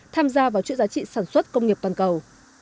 tham gia vào chuỗi giá trị sản xuất công nghiệp toàn cầu